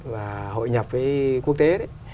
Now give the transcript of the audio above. và hội nhập với quốc tế